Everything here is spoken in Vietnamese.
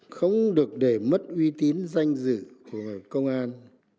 không được để mất uy tín danh dự của công an